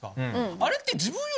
あれって。